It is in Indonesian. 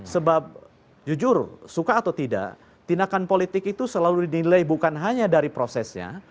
sebab jujur suka atau tidak tindakan politik itu selalu dinilai bukan hanya dari prosesnya